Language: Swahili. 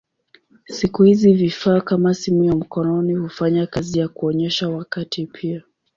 Siku hizi vifaa kama simu ya mkononi hufanya kazi ya kuonyesha wakati pia.